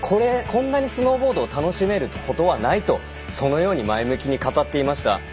こんなにスノーボードを楽しめることはないとそのように前向きに語っていました。